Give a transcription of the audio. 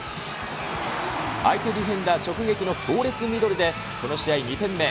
相手ディフェンダー直撃の強烈ミドルで、この試合２点目。